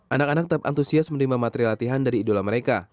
anak anak tetap antusias menerima materi latihan dari idola mereka